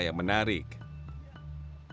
dan menawarkan pola kerja sekolah